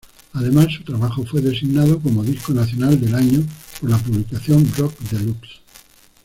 Además su trabajo fue designado como Disco Nacional del año por la publicación Rockdelux.